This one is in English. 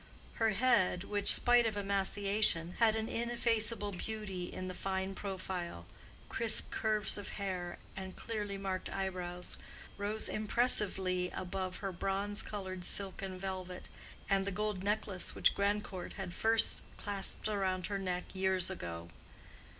Her head, which, spite of emaciation, had an ineffaceable beauty in the fine profile, crisp curves of hair, and clearly marked eyebrows, rose impressively above her bronze colored silk and velvet, and the gold necklace which Grandcourt had first clasped round her neck years ago.